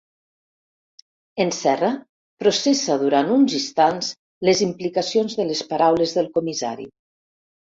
En Serra processa durant uns instants les implicacions de les paraules del comissari.